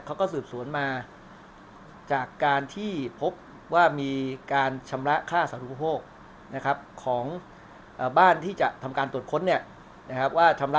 เขาก็สืบสวนมาจากการที่พบว่ามีการชำระค่าสารุโภคนะครับ